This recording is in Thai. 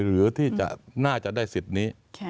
หรือที่น่าจะได้สิทธิ์นี้